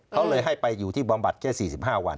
เขาเลยให้ไปอยู่ที่บำบัดแค่๔๕วัน